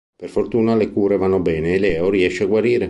Per fortuna le cure vanno bene e Leo riesce a guarire.